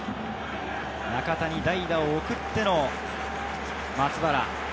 中田に代打を送っての松原。